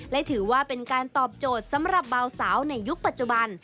และถือว่าเป็นการตอบโจทย์สำหรับเบาสาวในยุคปัจจุบัน